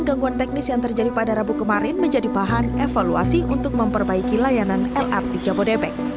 gangguan teknis yang terjadi pada rabu kemarin menjadi bahan evaluasi untuk memperbaiki layanan lrt jabodebek